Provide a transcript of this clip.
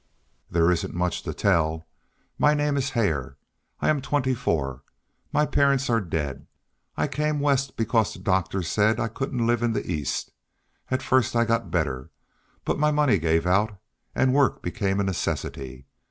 "There isn't much to tell. My name is Hare. I am twenty four. My parents are dead. I came West because the doctors said I couldn't live in the East. At first I got better. But my money gave out and work became a necessity.